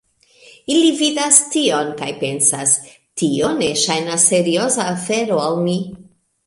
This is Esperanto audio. Ili vidas tion kaj pensas "Tio ne ŝajnas serioza afero al mi"